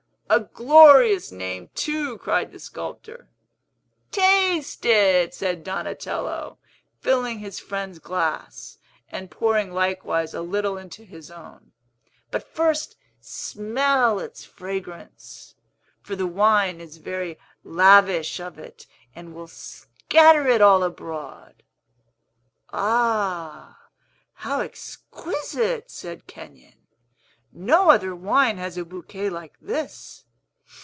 "A glorious name, too!" cried the sculptor. "Taste it," said Donatello, filling his friend's glass, and pouring likewise a little into his own. "But first smell its fragrance; for the wine is very lavish of it, and will scatter it all abroad." "Ah, how exquisite!" said Kenyon. "No other wine has a bouquet like this.